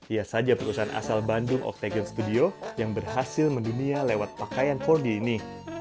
ia saja perusahaan asal bandung octagon studio yang berhasil mendunia lewat pakaian empat d ini